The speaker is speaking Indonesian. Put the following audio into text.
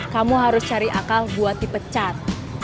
kamu harus cari akal buat dipecat